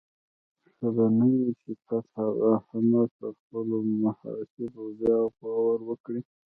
ښه به نه وي چې فتح او حماس پر خپلو محاسبو بیا غور وکړي؟